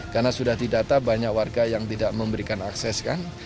karena sudah didata banyak warga yang tidak memberikan akses